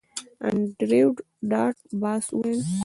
انډریو ډاټ باس وویل